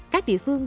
các địa phương